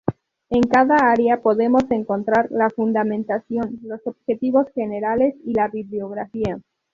En cada área podemos encontrar: la fundamentación, los objetivos generales y la bibliografía.